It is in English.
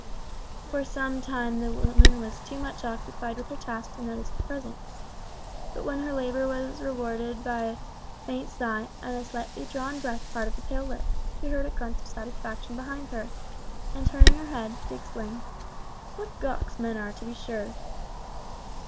For some time the woman was too much occupied with her task to notice his presence, but when her labour was rewarded by a faint sigh, and a slightly drawn breath parted the pale lips, she heard a grunt of satisfaction behind her; and turning her head, she exclaimed, "What gowks men are, to be sure."